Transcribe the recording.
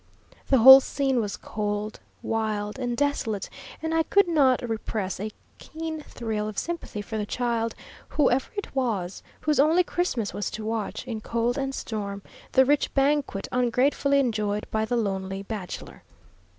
The whole scene was cold, wild, and desolate, and I could not repress a keen thrill of sympathy for the child, whoever it was, whose only Christmas was to watch, in cold and storm, the rich banquet ungratefully enjoyed by the lonely bachelor.